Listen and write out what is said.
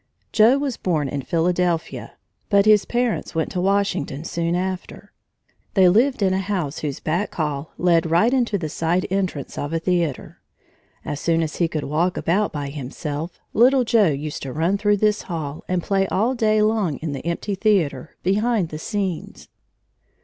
Joe was born in Philadelphia, but his parents went to Washington soon after. They lived in a house whose back hall led right into the side entrance of a theater. As soon as he could walk about by himself, little Joe used to run through this hall and play all day long in the empty theater, behind the scenes.